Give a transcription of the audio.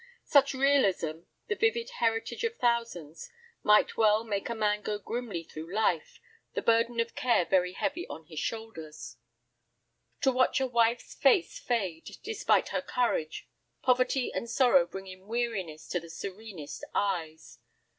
Such realism, the vivid heritage of thousands, might well make a man go grimly through life, the burden of care very heavy on his shoulders. To watch a wife's face fade, despite her courage, poverty and sorrow bringing weariness to the serenest eyes.